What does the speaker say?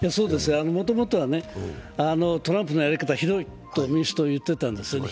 もともとはトランプのやり方はひどいと民主的は言ってたんですね。